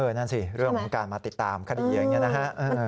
นั่นสิเรื่องของการมาติดตามคดีอย่างนี้นะฮะ